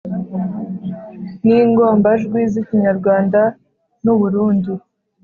ningombajwi z’ikinyarwanda, nuburundi